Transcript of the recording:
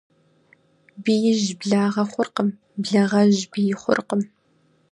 Биижь благъэ хъуркъым, благъэжь бий хъуркъым.